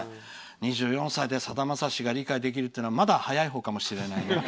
２４歳でさだまさしが理解できるのはまだ早いほうかもしれないよ。